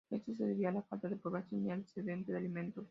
Esto se debía a la falta de población y al excedente de alimentos.